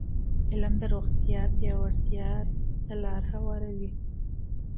علم د روغتیا پیاوړتیا ته لاره هواروي.